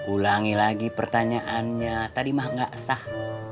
ulangi lagi pertanyaannya tadi mah gak sah